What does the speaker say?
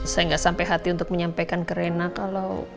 saya nggak sampai hati untuk menyampaikan ke rena kalau